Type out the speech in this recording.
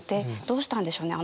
どうしたんでしょうね